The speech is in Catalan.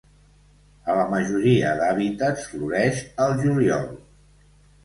A la majoria d'hàbitats floreix al juliol.